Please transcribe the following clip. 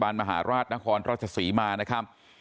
ที่โรงพยาบาลมหาราชนครราชศรีมานะครับ